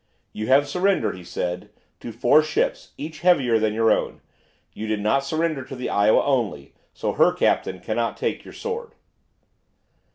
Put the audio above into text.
"You have surrendered," he said, "to four ships, each heavier than your own. You did not surrender to the 'Iowa' only, so her captain cannot take your sword."